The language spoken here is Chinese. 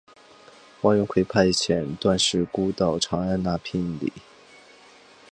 王元逵派遣段氏姑到长安纳聘礼。